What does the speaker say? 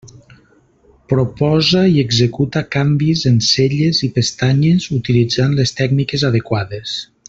Proposa i executa canvis en celles i pestanyes utilitzant les tècniques adequades.